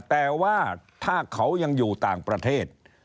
แต่ว่าถ้าเขายังอยู่ต่างประเทศ